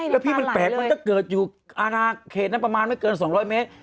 แล้วพี่มันแปลกมันก็เกิดอยู่อนาเขตนั้นประมาณไม่เกิน๒๐๐เมตร